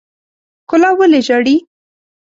ښکلا ولې ژاړي.